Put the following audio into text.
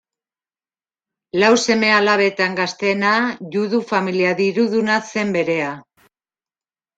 Lau seme-alabetan gazteena, Judu familia diruduna zen berea.